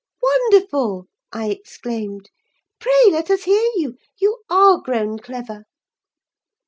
"'Wonderful,' I exclaimed. 'Pray let us hear you—you are grown clever!